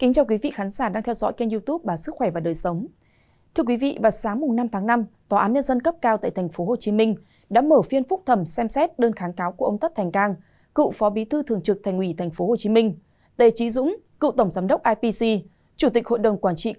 chào mừng quý vị đến với bộ phim hãy nhớ like share và đăng ký kênh của chúng mình nhé